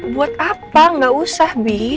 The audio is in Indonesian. buat apa nggak usah bi